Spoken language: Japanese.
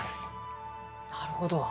なるほど。